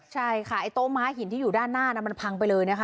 ใช่ค่ะไอ้โต๊ม้าหินที่อยู่ด้านหน้ามันพังไปเลยนะคะ